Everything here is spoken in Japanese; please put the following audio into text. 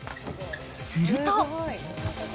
すると。